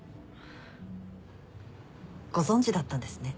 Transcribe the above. ご存じだったんですね。